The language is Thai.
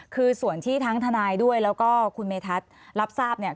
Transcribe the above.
คือส่วนที่ทั้งทนายด้วยแล้วก็คุณเมธัศน์รับทราบเนี่ย